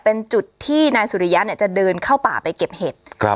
เป็นจุดที่นายสุริยะเนี่ยจะเดินเข้าป่าไปเก็บเห็ด